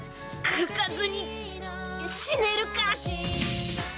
書かずに死ねるか！